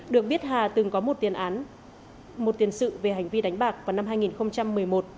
được biết hà từng có một tiền sự về hành vi đánh bạc vào năm hai nghìn một mươi một